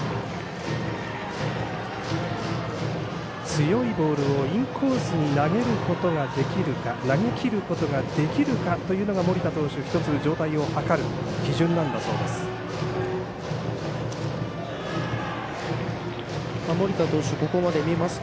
強いボールをインコースに投げきることができるかというのが、森田投手１つ状態を図る基準なんだそうです。